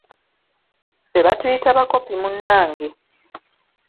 Ffe batuyita bakopi munnange.